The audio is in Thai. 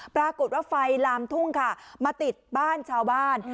ปรากฏว่าไฟลามทุ่งค่ะมาติดบ้านชาวบ้าน